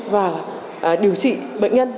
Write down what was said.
và điều trị bệnh nhân